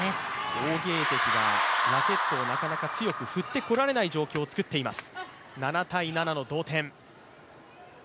王ゲイ迪はラケットをなかなか強く振ってこられない状況を作っています。